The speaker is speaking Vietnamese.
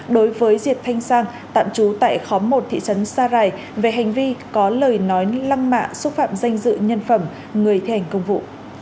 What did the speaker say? đối với diệt thanh sang tạm trú tại khóm một thị trấn sa rài về hành vi có lời nói lăng mạ xúc phạm danh dự nhân phẩm người thi hành công vụ